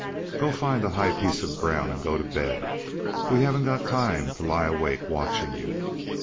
"Go find a high piece of ground, and go to bed. We haven't got time to lie awake watching you.